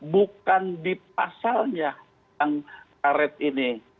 bukan di pasalnya yang karet ini